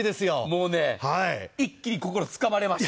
もうね、一気に心をつかまれました。